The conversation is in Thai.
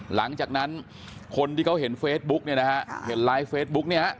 หลังจากนั้นคนที่เขาเห็นเฟซบุ๊กเนี่ยนะฮะเห็นไลฟ์เฟซบุ๊กเนี่ยฮะ